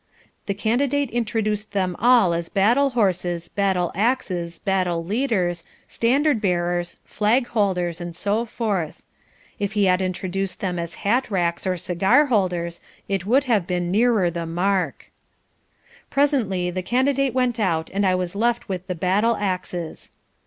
The Candidate introduced them all as battle horses, battle axes, battle leaders, standard bearers, flag holders, and so forth. If he had introduced them as hat racks or cigar holders, it would have been nearer the mark. Presently the Candidate went out and I was left with the battle axes.